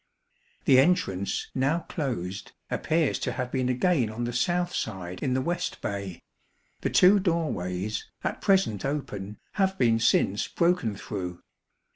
The entrance, now closed, appears to have been again on the south side in the west bay ; the two door ways, at present open, have been since broken through.